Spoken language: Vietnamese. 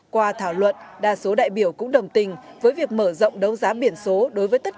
qua thảo luận đa số đại biểu cũng đồng tình với việc mở rộng đấu giá biển số đối với tất